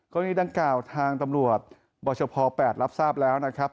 กรณีดังกล่าวทางตำรวจบชพ๘รับทราบแล้วนะครับ